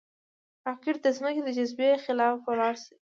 راکټ د ځمکې د جاذبې خلاف ولاړ شي